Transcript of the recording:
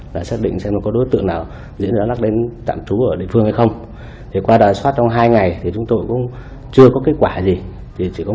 đgardiss domay sản xuất cũng như nhiều mối quan hệ quý vị